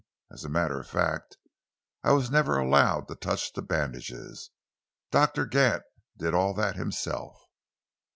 "As a matter of fact, I was never allowed to touch the bandages. Doctor Gant did all that himself."